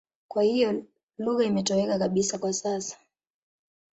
Kwa hiyo lugha imetoweka kabisa kwa sasa.